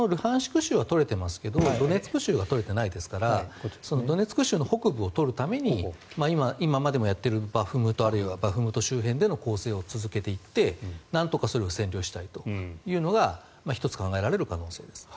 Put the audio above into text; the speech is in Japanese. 州は取れていますがドネツク州は取れていませんからドネツク州の北部を取るために今までもやっているバフムトあるいはバフムト周辺での攻勢を続けていってなんとかそれを占領したいというのが１つ考えられる可能性です。